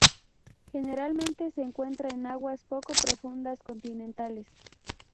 Generalmente se encuentra en aguas poco profundas continentales.